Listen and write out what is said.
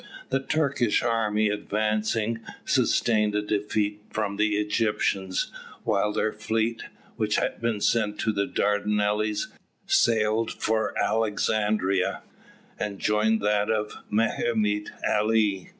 The Turkish army advancing sustained a defeat from the Egyptians, while their fleet, which had been sent to the Dardanelles, sailed for Alexandria, and joined that of Mehemet Ali.